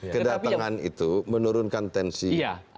kedatangan itu menurunkan tensi pernyataan itu